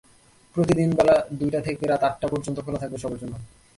প্রতিদিন বেলা দুইটা থেকে রাত আটটা পর্যন্ত খোলা থাকবে সবার জন্য।